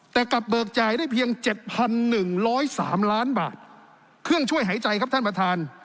แต่กับเบิกจ่ายได้เพียงเจ็ดพันหนึ่งร้อยสามล้านบาทเครื่องช่วยหายใจครับท่านประธาน